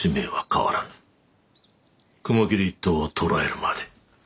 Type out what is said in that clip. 雲霧一党を捕らえるまで。